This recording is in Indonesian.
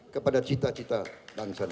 kepada cita cita dansanya